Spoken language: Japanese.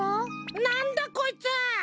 なんだこいつ！